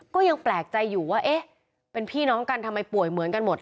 ก็ยังแปลกใจอยู่ว่าเอ๊ะเป็นพี่น้องกันทำไมป่วยเหมือนกันหมด